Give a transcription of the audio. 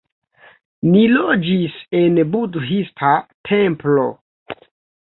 Ni loĝis en budhista templo